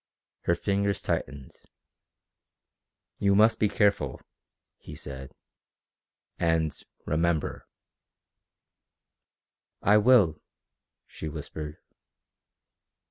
Her fingers tightened. "You must be careful," he said. "And remember." "I will," she whispered.